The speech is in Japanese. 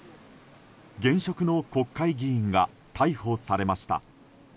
現職の国会議員が逮捕されました。